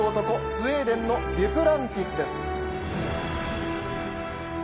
スウェーデンのデュプランティスです。